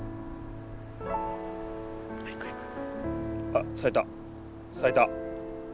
あ咲いた咲いた！